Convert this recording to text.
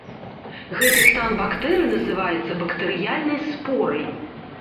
Гэты стан бактэрый называецца бактэрыяльнай спорай.